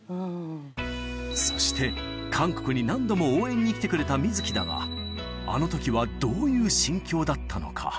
そして韓国に何度も応援に来てくれた観月だが、あのときはどういう心境だったのか。